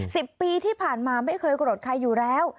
สิบปีที่ผ่านมาไม่เคยโกรธใครอยู่แล้ว